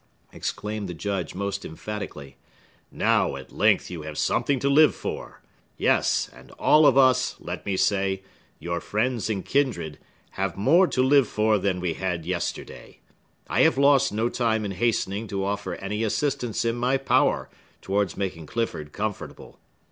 exclaimed the Judge most emphatically. "Now, at length, you have something to live for. Yes, and all of us, let me say, your friends and kindred, have more to live for than we had yesterday. I have lost no time in hastening to offer any assistance in my power towards making Clifford comfortable.